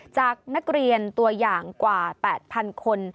จากนักเรียนตัวอย่างกว่า๘๐๐๐คน